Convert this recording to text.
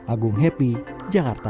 agung happy jakarta